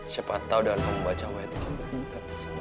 siapa tahu dengan kamu baca wey kamu ingat semuanya